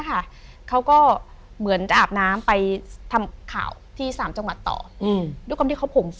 อเรนนี่แกร่งอเรนนี่แกร่งอเรนนี่แกร่ง